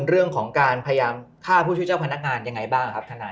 เรื่องของการพยายามฆ่าผู้ช่วยเจ้าพนักงานยังไงบ้างครับทนาย